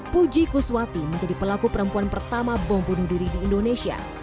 puji kuswati menjadi pelaku perempuan pertama bom bunuh diri di indonesia